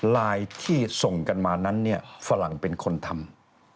ไลน์ที่ส่งกันมานั้นเนี่ยฝรั่งเป็นคนทำ